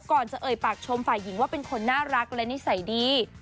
ก่อนจะเอ่ยปากชมฝ่ายหญิงว่าเป็นคนน่ารักและนิสัยดี